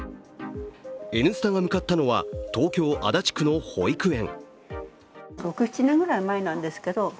「Ｎスタ」が向かったのは東京・足立区の保育園。